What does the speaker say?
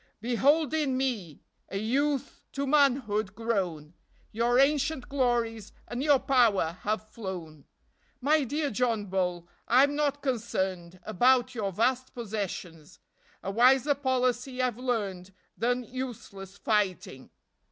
Behold in me A youth to manhood grown; Your ancient glories And your power have flown. My dear John Bull, I'm not concerned About your vast^possessions; A wiser policy I've learned Than useless fighting.